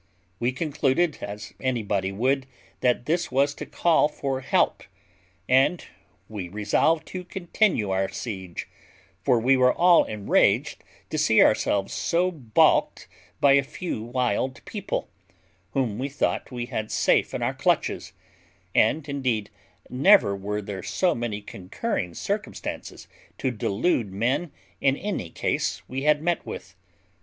We concluded, as anybody would, that this was to call for help, and we resolved to continue our siege; for we were all enraged to see ourselves so baulked by a few wild people, whom we thought we had safe in our clutches; and, indeed, never were there so many concurring circumstances to delude men in any case we had met with.